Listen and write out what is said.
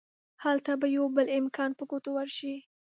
هلته به يو بل امکان په ګوتو ورشي.